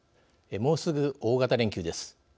もうすぐ大型連休です。